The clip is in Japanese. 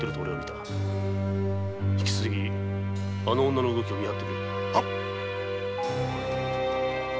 引き続き女の動きを見張ってくれ！